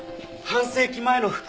半世紀前の服？